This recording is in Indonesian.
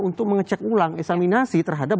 untuk mengecek ulang eksaminasi terhadap